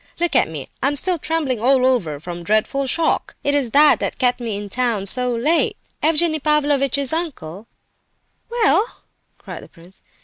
Look at me, I'm still trembling all over with the dreadful shock! It is that that kept me in town so late. Evgenie Pavlovitch's uncle—" "Well?" cried the prince.